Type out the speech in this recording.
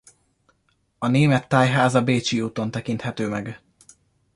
A német tájház a Bécsi úton tekinthető meg.